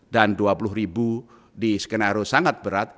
dan rp dua puluh di skenario sangat berat